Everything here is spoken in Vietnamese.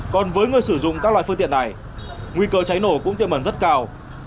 còn với người sử dụng các loại phương tiện này nguy cơ cháy nổ cũng tiệm ẩn rất cao